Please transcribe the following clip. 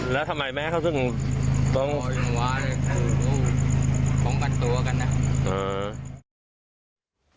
แล้วทำไมไม่ให้เขาถึงต้องป้องกันตัวกันนะ